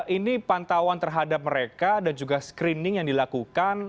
ini pantauan terhadap mereka dan juga screening yang dilakukan